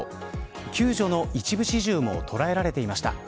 救助の一部始終も捉えられていました。